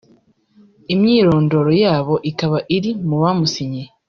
imyirondoro yabo ikaba iri mu bamusinyiye